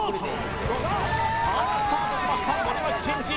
さあスタートしました森脇健児